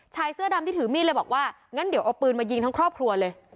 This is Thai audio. ชายเสื้อดำที่ถือมีดเลยบอกว่างั้นเดี๋ยวเอาปืนมายิงทั้งครอบครัวเลย